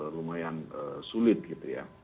lumayan sulit gitu ya